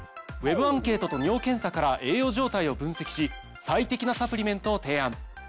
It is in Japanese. ＷＥＢアンケートと尿検査から栄養状態を分析し最適なサプリメントを提案。